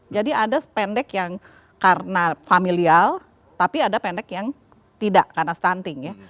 jadi ada pendek yang karena familial tapi ada pendek yang tidak karena stunting ya